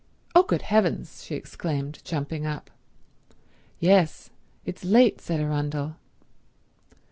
"Oh, good heavens!" she exclaimed, jumping up. "Yes. It's late," said Arundel.